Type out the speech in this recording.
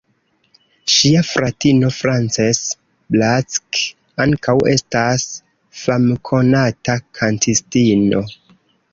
Ŝia fratino Frances Black ankaŭ estas famkonata kantistino.